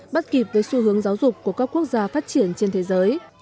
bắt kịp với xu hướng giáo dục của các quốc gia phát triển trên thế giới